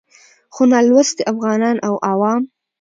خو نالوستي افغانان او عوام